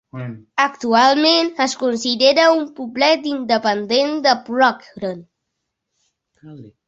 Actualment, es considera un poblet independent de Broughton.